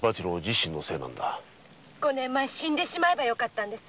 五年前死んでしまえばよかったんです。